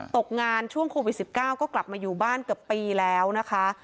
ตกงานช่วงโควิด๑๙ก็กลับมาอยู่บ้านเกือบปีแล้วนะคะ